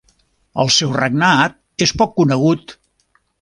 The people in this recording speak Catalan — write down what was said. El seu regnat és poc conegut.